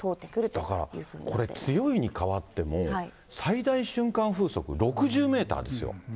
だからこれ、強いに変わっても、最大瞬間風速６０メーターですよ。